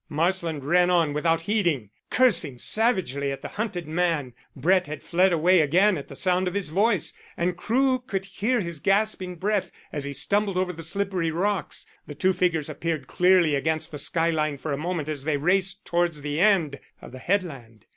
Marsland ran on without heeding, cursing savagely at the hunted man. Brett had fled away again at the sound of his voice, and Crewe could hear his gasping breath as he stumbled over the slippery rocks. The two figures appeared clearly against the sky line for a moment as they raced towards the end of the headland.